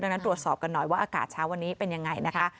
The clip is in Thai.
ดังนั้นตรวจสอบกันหน่อยว่าอากาศเช้าวันนี้เป็นยังไงนะคะ